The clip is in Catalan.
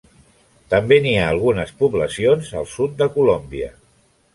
També n'hi ha algunes poblacions al sud de Colòmbia.